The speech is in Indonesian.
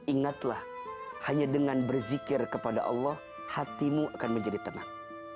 ingatlah hanya dengan berzikir kepada allah hatimu akan menjadi tenang